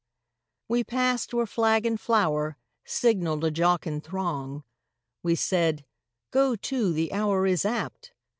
WE passed where flag and flower Signalled a jocund throng; We said: "Go to, the hour Is apt!"